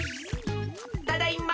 ただいま。